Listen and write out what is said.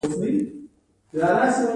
هغه کار چې زده کړې او تخصص ته اړتیا لري